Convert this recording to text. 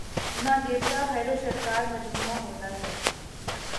نہ دیوتا، خیر وشرکا مجموعہ ہوتا ہے۔